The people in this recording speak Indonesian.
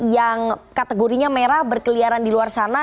yang kategorinya merah berkeliaran di luar sana